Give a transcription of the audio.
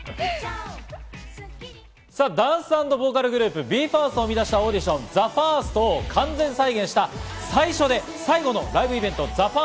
ダンス＆ボーカルグループＢＥ：ＦＩＲＳＴを生み出したオーディションＴＨＥＦＩＲＳＴを完全再現した最初で最後のライブイベント、ＴＨＥＦＩＲＳＴＦＩＮＡＬ。